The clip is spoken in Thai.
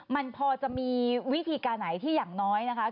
มันพอจะมีวิธีการไหนที่อย่างน้อยนะคะ